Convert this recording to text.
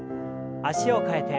脚を替えて。